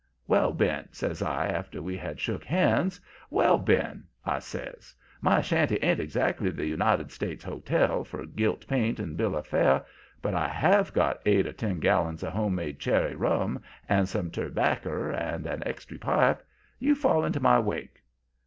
"'Well, Ben,' says I, after we had shook hands, 'well, Ben,' I says, 'my shanty ain't exactly the United States Hotel for gilt paint and bill of fare, but I HAVE got eight or ten gallons of home made cherry rum and some terbacker and an extry pipe. You fall into my wake.'